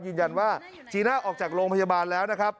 ยืนยันว่าจีน่าออกจากโรงพยาบาลแล้วนะครับ